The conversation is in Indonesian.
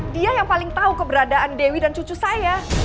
dia yang paling tahu keberadaan dewi dan cucu saya